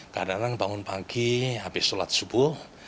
kadang kadang bangun pagi habis sholat subuh